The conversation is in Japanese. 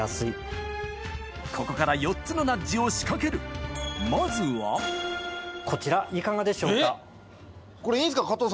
ここから４つのナッジを仕掛けるまずはこれいいんすか？